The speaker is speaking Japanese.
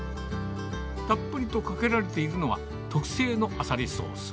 たっぷりとかけられているのは、特製のアサリソース。